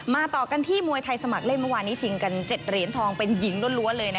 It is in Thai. ไม่นึกว่าจะได้ค่ะว่าแข่งปีแรกแล้วก็อายุน้อยสุดด้วยค่ะ